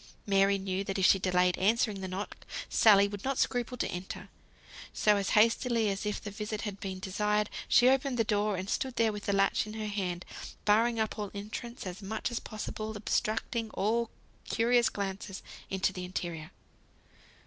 Mary knew that if she delayed answering the knock, Sally would not scruple to enter; so as hastily as if the visit had been desired, she opened the door, and stood there with the latch in her hand, barring up all entrance, and as much as possible obstructing all curious glances into the interior.